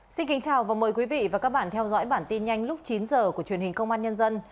xin kính chào và mời quý vị và các bạn theo dõi bản tin nhanh lúc chín h của truyền hình công an nhân dân